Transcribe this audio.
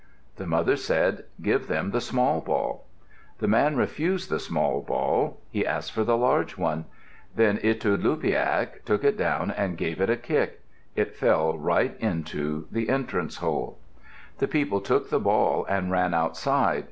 The mother said, "Give them the small ball." The man refused the small ball. He asked for the large one. Then Itudluqpiaq took it down and gave it a kick. It fell right into the entrance hole. The people took the ball and ran outside.